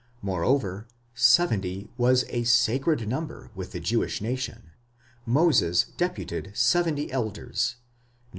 8 Moreover, seventy was a sacred number with the Jewish nation ; Moses deputed seventy elders (Num.